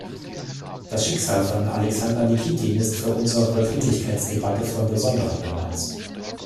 Das Schicksal von Alexander Nikitin ist für unsere Dringlichkeitsdebatte von besonderer Relevanz.